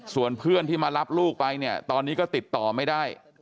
ส่วนเพื่อนที่มารับลูกไปเนี่ยตอนนี้ก็ติดต่อไม่ได้